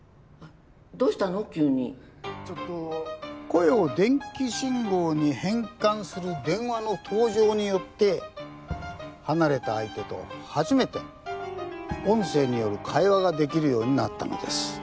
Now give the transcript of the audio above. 声を電気信号に変換する電話の登場によって離れた相手と初めて音声による会話ができるようになったのです。